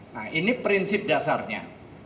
nah ini prinsip dasarnya